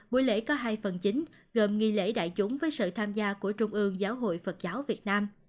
buổi lễ có hai phần chính gồm nghi lễ đại chúng với sự tham gia của trung ương giáo hội phật giáo việt nam